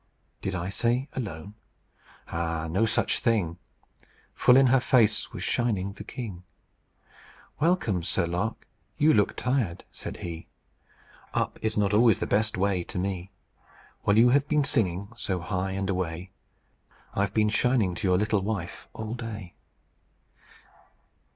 "Did I say alone? Ah, no such thing! Full in her face was shining the king. 'Welcome, Sir Lark! You look tired,' said he. 'Up is not always the best way to me. While you have been singing so high and away, I've been shining to your little wife all day.'